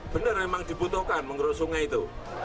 bener emang dibutuhkan mengeruk sungai itu